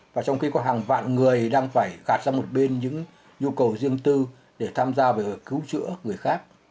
và trong khi có hàng vạn người đang phải gạt ra một bên những nhu cầu riêng tư để tham gia về cứu chữa người khác